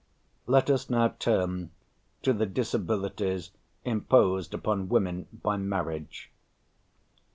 Let us now turn to the disabilities imposed upon women by marriage.